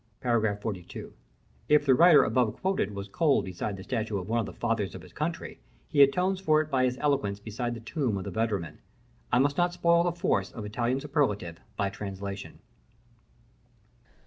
§ XLII. If the writer above quoted was cold beside the statue of one of the fathers of his country, he atones for it by his eloquence beside the tomb of the Vendramin. I must not spoil the force of Italian superlative by translation.